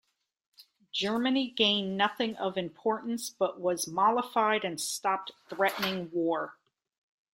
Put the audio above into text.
Germany gained nothing of importance but was mollified and stopped threatening war.